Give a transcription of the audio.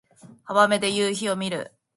浜辺で夕陽を見る